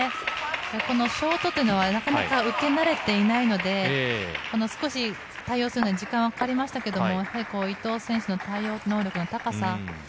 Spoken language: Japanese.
このショートというのは受け慣れていないので少し対応するのに時間はかかりましたけれども伊藤選手の対応能力の高さ。